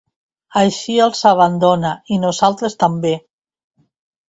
Així els abandona i nosaltres també.